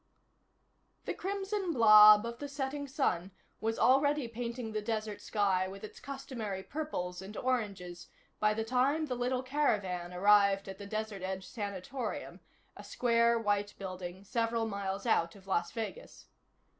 The crimson blob of the setting sun was already painting the desert sky with its customary purples and oranges by the time the little caravan arrived at the Desert Edge Sanatorium, a square white building several miles out of Las Vegas.